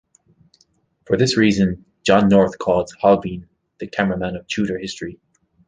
For this reason, John North calls Holbein "the cameraman of Tudor history".